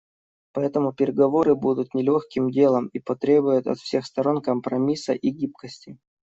Поэтому переговоры будут нелегким делом и потребуют от всех сторон компромисса и гибкости.